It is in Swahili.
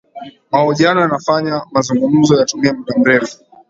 mahojiano yanafanya mazungumzo yatumie muda mrefu